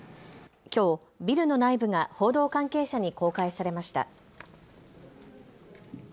きょうビルの内部が報道関係者に公開されました。